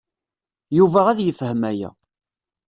Yuba ad yefhem aya.